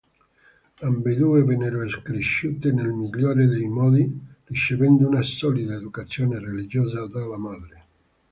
Ambedue vennero cresciute nel migliore dei modi, ricevendo una solida educazione religiosa dalla madre.